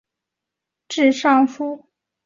元烈在西魏官至尚书。